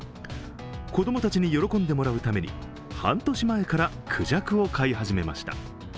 子供たちに喜んでもらうために、半年前からくじゃくを飼い始めました。